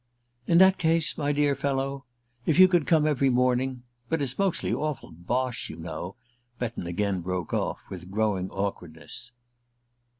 "In that case, my dear fellow if you could come every morning; but it's mostly awful bosh, you know," Betton again broke off, with growing awkwardness.